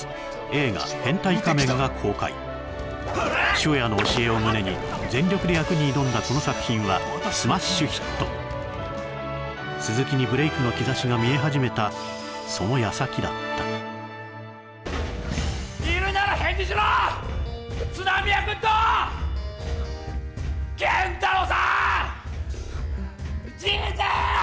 塩屋の教えを胸に全力で役に挑んだこの作品はスマッシュヒット鈴木にブレイクの兆しが見え始めたその矢先だったいるなら返事しろ津波がくっどげんたろうさんじいちゃん